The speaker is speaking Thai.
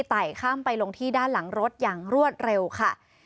อาการแท็กซี่ไต่ข้ามไปลงที่ด้านหลังรถอย่างรวดเร็วค่ะ